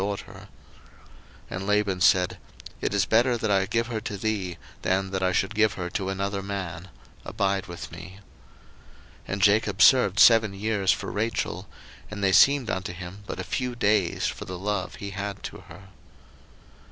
01:029:019 And Laban said, It is better that I give her to thee, than that I should give her to another man: abide with me. 01:029:020 And Jacob served seven years for Rachel; and they seemed unto him but a few days, for the love he had to her.